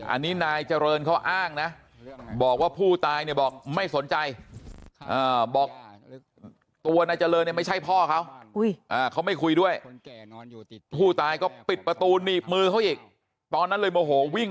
อันนี้นายเจริญเขาอ้างนะบอกว่าผู้ตายเนี่ยบอกไม่สนใจ